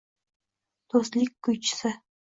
Do‘stlik ko‘ychisi